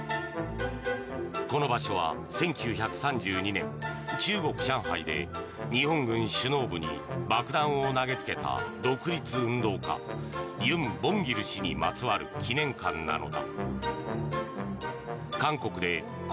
この場所は１９３２年中国・上海で日本軍首脳部に爆弾を投げつけた独立運動家ユン・ボンギル氏にまつわる記念館なのだ。